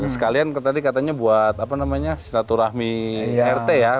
sekalian tadi katanya buat silaturahmi rt ya